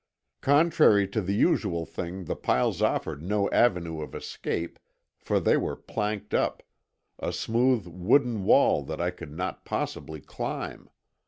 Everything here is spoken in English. Contrary to the usual thing the piles offered no avenue of escape, for they were planked up, a smooth wooden wall that I could not possibly climb.